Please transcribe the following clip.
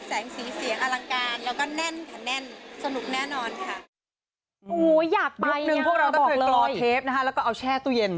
แสงสีเสียงอลังการแล้วก็แน่นสนุกแน่นอนค่ะ